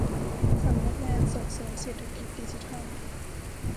สำนักงานส่งเสริมเศรษฐกิจดิจิทัล